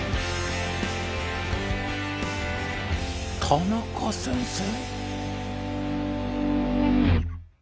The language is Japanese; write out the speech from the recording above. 田中先生？